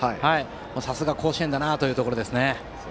さすが甲子園だなというところですね。